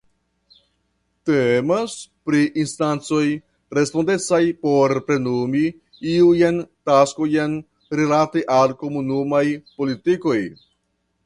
Temas pri instancoj respondecaj por plenumi iujn taskojn rilate al Komunumaj politikoj.